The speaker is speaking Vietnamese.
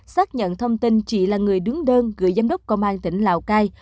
xác nhận thông tin chị là người đứng đơn gửi giám đốc công an tỉnh lào cai